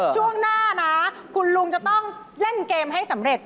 ช่วงหน้านะคุณลุงจะต้องเล่นเกมให้สำเร็จ